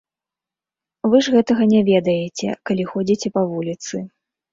Вы ж гэтага не ведаеце, калі ходзіце па вуліцы.